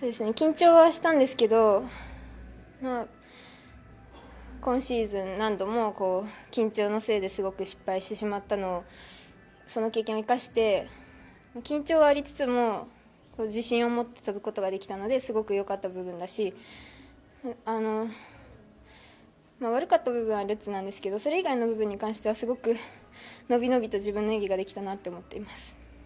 緊張はしたんですけど今シーズン何度も緊張のせいですごく失敗してしまったのでその経験を生かして緊張はありつつも、自信を持って跳ぶことができたのですごくよかった部分だし悪かった部分はルッツなんですけどそれ以外の部分に関しては伸び伸びと自分の演技ができたなと思っています。